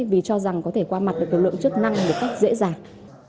vì cho rằng có thể qua mặt được lực lượng chức năng một cách dễ dàng